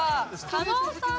狩野さん。